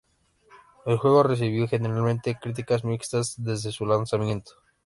El juego recibió generalmente críticas mixtas desde su lanzamiento.